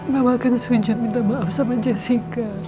mama akan sujud minta maaf sama jessica